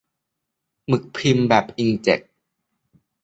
หมึกพิมพ์แบบอิงก์เจ็ต